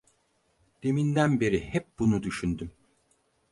Deminden beri hep bunu düşündüm…